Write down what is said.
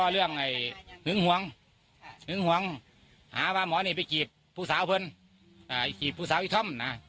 เรื่องไอ้หึงหวงหึงหวงหาพาหมอเนี่ยไปจีบผู้สาวเพิ่งอ่าจีบผู้สาวอีกท่อมอ่า